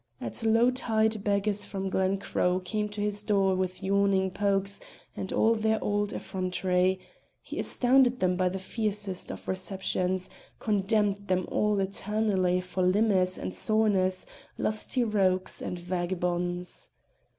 At low tide beggars from Glen Croe came to his door with yawning pokes and all their old effrontery: he astounded them by the fiercest of receptions, condemned them all eternally for limmers and sorners, lusty rogues and vagabonds.